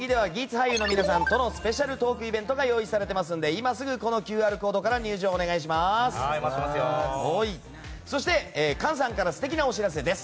俳優との皆さんとのスペシャルトークイベントが用意されていますので今すぐＱＲコードから入場をお願いします。